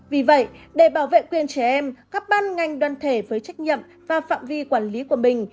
vì vậy để bảo vệ quyền trẻ em các ban ngành đoàn thể với trách nhiệm và phạm vi quản lý của mình